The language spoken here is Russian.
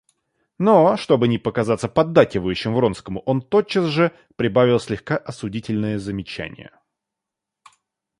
Но, чтобы не показаться поддакивающим Вронскому, он тотчас же прибавил слегка осудительное замечание.